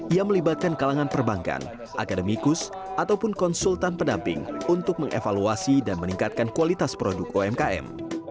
ia melibatkan kalangan perbankan akademikus ataupun konsultan pendamping untuk mengevaluasi dan meningkatkan kualitas produk umkm